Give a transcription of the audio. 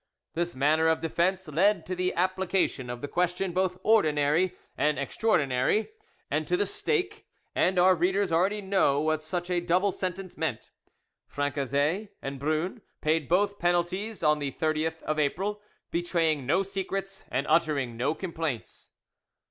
This manner of defence led to the application of the question both ordinary and extraordinary, and to the stake; and our readers already know what such a double sentence meant. Francezet and Brun paid both penalties on the 30th of April, betraying no secrets and uttering no complaints.